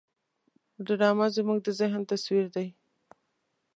ډرامه زموږ د ذهن تصویر دی